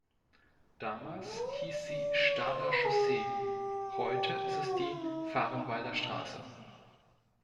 Damals hieß sie "Stader Chaussee", heute ist es die Vahrenwalder Straße.